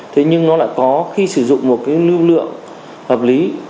thế nhưng nó lại có khi sử dụng một cái lưu lượng hợp lý